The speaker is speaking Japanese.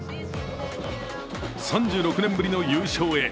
３６年ぶりの優勝へ。